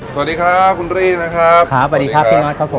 สวัสดีครับคุณรี่นะครับครับสวัสดีครับพี่นอทครับผม